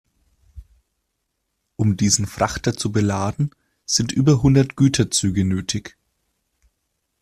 Um diesen Frachter zu beladen, sind über hundert Güterzüge nötig.